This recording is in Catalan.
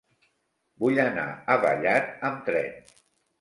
Vull anar a Vallat amb tren.